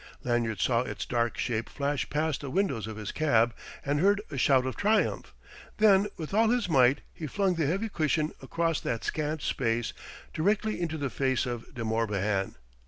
Lanyard saw its dark shape flash past the windows of his cab and heard a shout of triumph. Then with all his might he flung the heavy cushion across that scant space, directly into the face of De Morbihan.